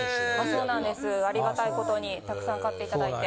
そうなんですありがたいことにたくさん買っていただいて。